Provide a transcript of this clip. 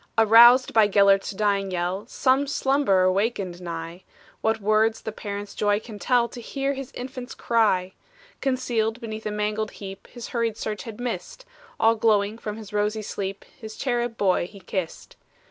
Aroused by Gelert's dying yell, Some slumberer wakened nigh; What words the parent's joy can tell, To hear his infant cry! Concealed beneath a mangled heap, His hurried search had missed, All glowing from his rosy sleep, His cherub boy he kissed!